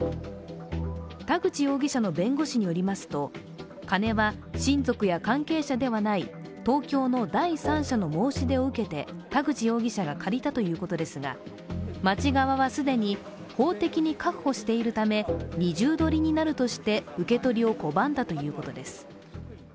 田口容疑者の弁護士によりますと、金は親族や関係者ではない東京の第三者の申し出を受けて田口容疑者が借りたということですが、町側は既に法的に確保しているため二重取りになるとして受け取りを拒んだということです。